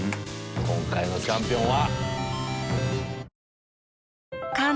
今回のチャンピオンは⁉